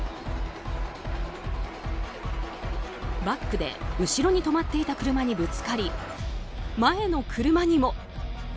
バックで後ろに止まっていた車にぶつかり、前の車にも。